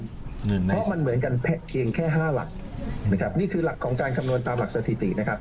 เพราะมันเหมือนกันแค่๕หลักนี่คือหลักของการคำนวณตามหลักสถิติ